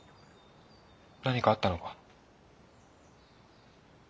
何かあったのか？